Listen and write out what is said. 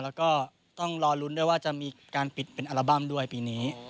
แล้วก็ต้องรอลุ้นด้วยว่าจะมีการปิดเป็นอัลบั้มด้วยปีนี้